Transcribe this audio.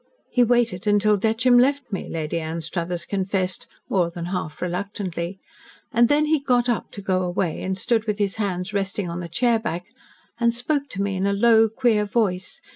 "He waited until Detcham left me," Lady Anstruthers confessed, more than half reluctantly. "And then he got up to go away, and stood with his hands resting on the chairback, and spoke to me in a low, queer voice.